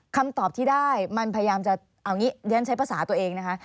คำตอบที่ได้มันพยายามจะเอาอย่างนี้เรียนใช้ภาษาตัวเองนะคะ